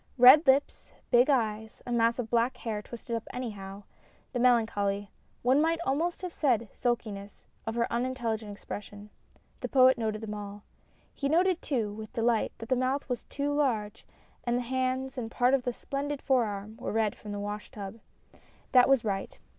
Red lips, big eyes, a mass of black hair twisted up anyhow, the melancholy one might almost have said sulkiness of her unin telligent expression, the Poet noted them all. He noted too, with delight, that the mouth was too large and the hands and part of the splendid fore arm were red from the wash tub. That was right.